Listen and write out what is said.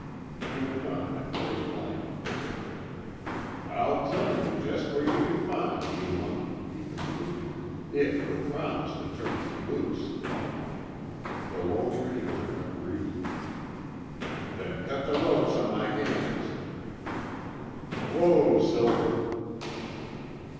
He went on at great length. "I'll tell yuh jest where you c'n find Yuma," he concluded, "if you'll promise tuh turn me loose." The Lone Ranger agreed. "Then cut the ropes on my hands." "Whoa, Silver."